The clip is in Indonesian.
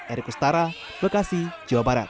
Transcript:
erik ustara bekasi jawa barat